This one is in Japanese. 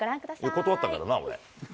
断ったけどな、俺。